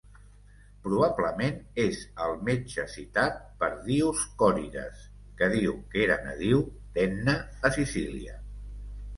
Probablement és el metge citat per Dioscòrides, que diu que era nadiu d'Enna a Sicília.